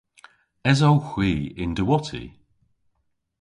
Esowgh hwi y'n diwotti?